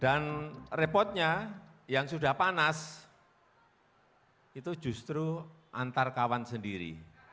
dan repotnya yang sudah panas itu justru antar kawan sendiri